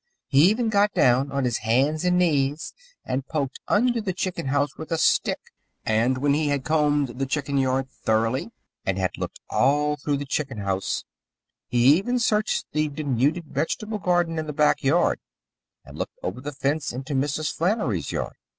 He even got down on his hands and knees and poked under the chicken house with a stick, and, when he had combed the chicken yard thoroughly and had looked all through the chicken house, he even searched the denuded vegetable garden in the back yard, and looked over the fence into Mrs. Flannery's yard.